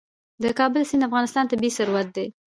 د کابل سیند د افغانستان طبعي ثروت دی.